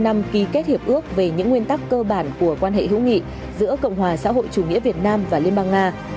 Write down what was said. hai mươi năm ký kết hiệp ước về những nguyên tắc cơ bản của quan hệ hữu nghị giữa cộng hòa xã hội chủ nghĩa việt nam và liên bang nga